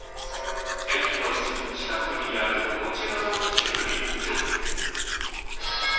駅のすぐ近くにあるこちらの駐輪場。